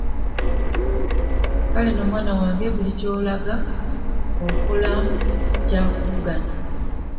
Kale nno mwana wange buli ky 'okolanga okolanga kya kuvuganya.